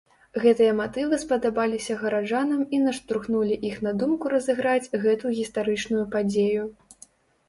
Гэтыя матывы спадабаліся гараджанам і наштурхнулі іх на думку разыграць гэту гістарычную падзею.